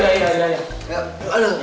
ke depan dulu ya bu